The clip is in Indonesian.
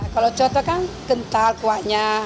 kalau coto kan kental kuahnya